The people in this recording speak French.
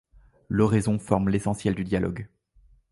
L’oraison forme l’essentiel du dialogue.